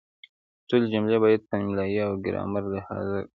ټولې جملې باید په املایي او ګرامري لحاظ کره ولیکل شي.